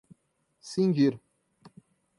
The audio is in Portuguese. cindir